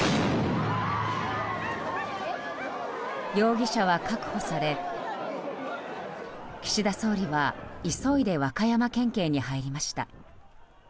容疑者は確保され岸田総理は急いで和歌山県警に入りました。